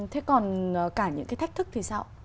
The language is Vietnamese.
thế còn cả những cái thách thức thì sao